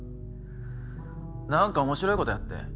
何か面白いことやって。